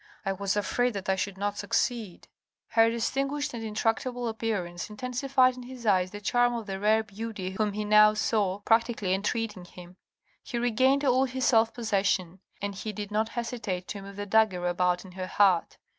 I was afraid that I should not succeed." Her distinguished and intractable appearance in tensified in his eyes the charm of the rare beauty whom he now saw practically entreating him. He regained all his self possession — and he did not hesitate to move the dagger about in her heart.